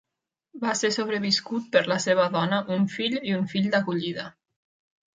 Va ser sobreviscut per la seva dona, un fill i un fill d'acollida.